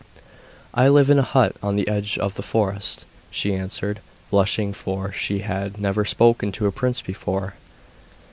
'I live in a hut on the edge of the forest,' she answered, blushing, for she had never spoken to a prince before.